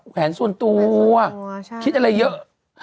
แขวนส่วนตัวคิดอะไรเยอะ